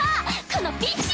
このビッチ！